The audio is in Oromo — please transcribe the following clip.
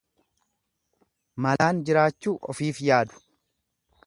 Malaan jiraachuu, ofiif yaadu.